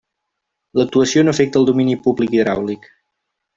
L'actuació no afecta el domini públic hidràulic.